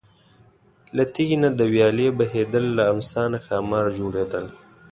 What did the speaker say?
له تیږې نه د ویالې بهیدل، له امسا نه ښامار جوړېدل.